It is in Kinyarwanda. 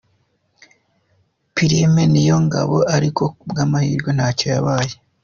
Prime Niyongabo, ariko ku bw’amahirwe ntacyo yabaye.